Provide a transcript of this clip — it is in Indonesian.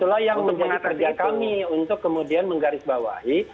itulah yang menjadi kerja kami untuk kemudian menggarisbawahi